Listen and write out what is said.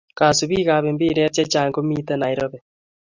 Kasubik ap mbiret che chang komiten Nairobi